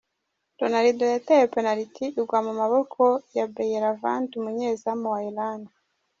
Ronaldo yateye penaliti igwa mu maboko ya Beiranvand umunyezamu wa Iran.